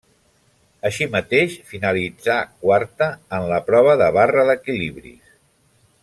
Així mateix finalitzà quarta en la prova de barra d'equilibris.